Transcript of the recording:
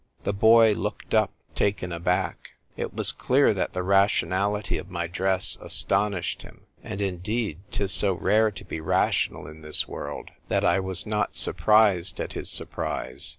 " The boy looked up, taken aback It was clear that the rationality of my dress as tonished him. And, indeed, 'tis so rare to be rational in this world that I was not surprised at his surprise.